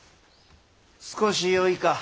少しよいか。